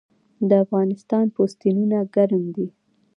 د افغانستان پوستینونه ګرم دي